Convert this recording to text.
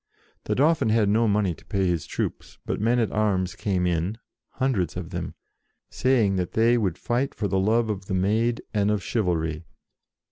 The Dauphin had no money to pay his troops, but men at arms came in, hundreds of them, saying that they would fight for the love of the Maid and of chivalry.